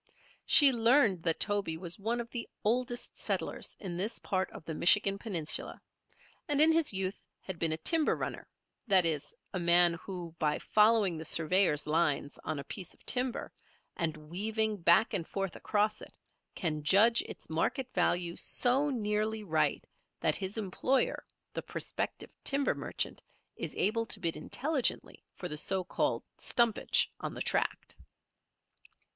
She learned that Toby was one of the oldest settlers in this part of the Michigan Peninsula, and in his youth had been a timber runner, that is, a man who by following the surveyors' lines on a piece of timber, and weaving back and forth across it, can judge its market value so nearly right that his employer, the prospective timber merchant, is able to bid intelligently for the so called "stumpage" on the tract.